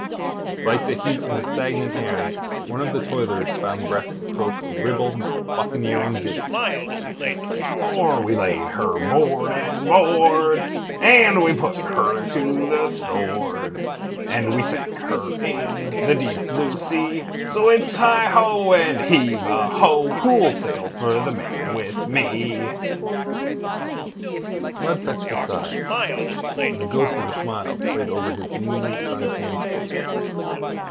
Despite the heat and the stagnant air, one of the toilers found breath to croak a ribald buccaneering ditty: "For we laid her board and board, And we put her to the sword, And we sank her in the deep blue sea. So It's heigh ho, and heave a ho! Who'll sail for the Main with me?" Blood fetched a sigh, and the ghost of a smile played over his lean, sun tanned face.